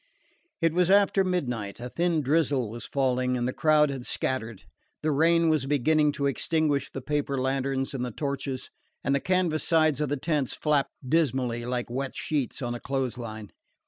It was after midnight, a thin drizzle was falling, and the crowd had scattered. The rain was beginning to extinguish the paper lanterns and the torches, and the canvas sides of the tents flapped dismally, like wet sheets on a clothes line.